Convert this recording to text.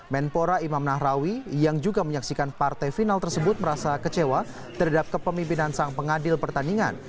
menpora imam nahrawi yang juga menyaksikan partai final tersebut merasa kecewa terhadap kepemimpinan sang pengadil pertandingan